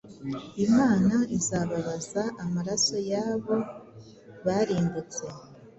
Imana izababaza amaraso y’abo barimbutse.